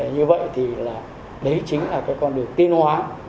như vậy thì là đấy chính là cái con đường tiên hóa